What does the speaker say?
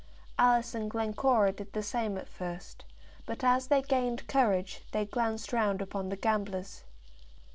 Alice and Glencora did the same at first, but as they gained courage they glanced round upon the gamblers.